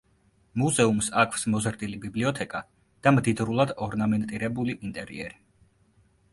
მუზეუმს აქვს მოზრდილი ბიბლიოთეკა და მდიდრულად ორნამენტირებული ინტერიერი.